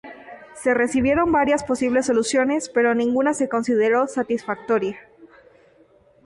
Se recibieron varias posibles soluciones pero ninguna se consideró satisfactoria.